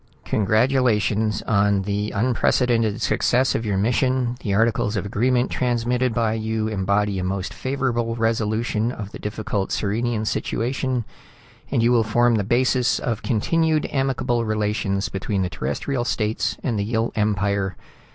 "Congratulations on the unprecedented success of your mission. The articles of agreement transmitted by you embody a most favorable resolution of the difficult Sirenian situation, and will form the basis of continued amicable relations between the Terrestrial States and the Yill Empire.